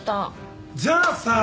じゃあさ！